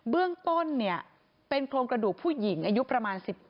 เบื้องต้นเป็นโครงกระดูกผู้หญิงอายุประมาณ๑๗